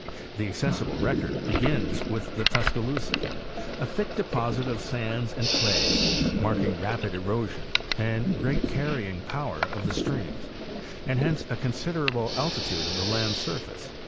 The accessible record begins with the Tuscaloosa, a thick deposit of sands and clays marking rapid erosion and great carrying power of the streams, and hence a considerable altitude of the land surface.